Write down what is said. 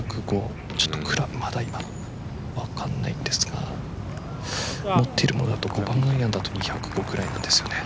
ちょっとクラブまだ今分からないんですが持っているのは５番アイアンだと１０５くらいなんですよね。